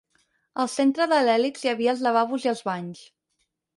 Al centre de l'hèlix hi havia els lavabos i els banys.